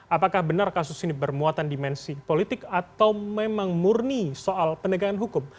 apakah benar kasus ini bermuatan dimensi politik atau memang murni soal penegakan hukum